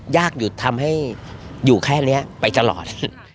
ยากหยุดทำให้อยู่แค่นี้ไปตลอด